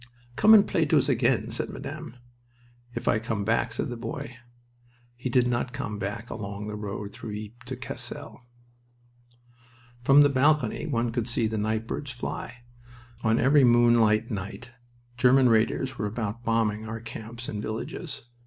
"Come and play to us again," said Madame. "If I come back," said the boy. He did not come back along the road through Ypres to Cassel. From the balcony one could see the nightbirds fly. On every moonlight night German raiders were about bombing our camps and villages.